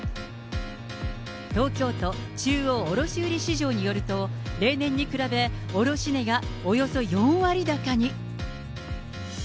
東京都中央卸売市場によると、例年に比べ卸値がおよそ４割高に。